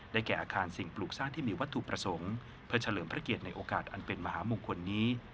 แก่อาคารสิ่งปลูกสร้างที่มีวัตถุประสงค์เพื่อเฉลิมพระเกียรติในโอกาสอันเป็นมหามงคลนี้